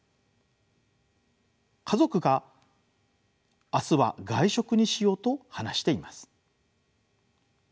家族が明日は外食にしようと話しています。